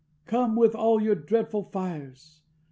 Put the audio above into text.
Come, with all your dreadful fires!